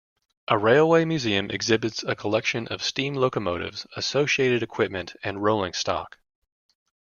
A railway museum exhibits a collection of steam locomotives, associated equipment and rolling stock.